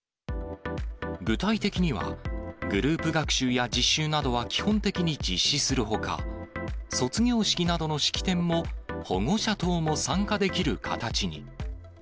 具体的には、グループ学習や実習などは基本的に実施するほか、卒業式などの式典も保護者等も参加できる形に。